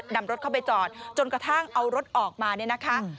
นำรถเข้าไปจอดจนกระทั่งเอารถออกมาเนี่ยนะคะ